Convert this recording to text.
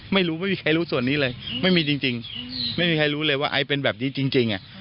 ไม่รู้ไม่มีใครรู้ส่วนนี้เลยไม่มีจริงไม่มีใครรู้เลยว่าไอ้เป็นแบบนี้จริงอ่ะ